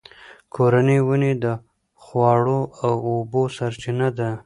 کورني ونې د خواړو او اوبو سرچینه ده.